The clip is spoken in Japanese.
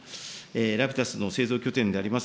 ラピダスの製造拠点であります